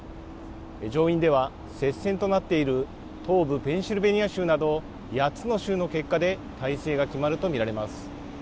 上院では、接戦となっている東部ペンシルベニア州など、８つの州の結果で大勢が決まると見られます。